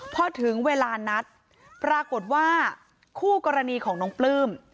พอถึงเวลานัดปรากฏว่าคู่กรณีของน้องปลื้ม